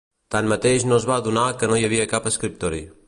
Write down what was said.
Tanmateix no es van adonar que no hi havia cap escriptori.